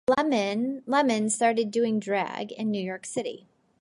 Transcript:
Lemon started doing drag in New York City.